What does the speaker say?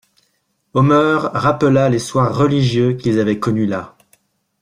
Omer rappela les soirs religieux qu'ils avaient connus là.